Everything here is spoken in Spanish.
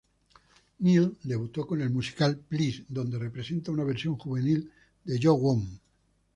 Niel debutó con el musical "Please", donde representaba una versión juvenil de Joo Won.